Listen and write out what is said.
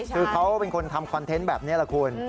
คือเขาเป็นคนทำคอนเทนต์แบบนี้แหละคุณ